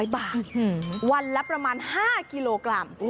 ๐บาทวันละประมาณ๕กิโลกรัม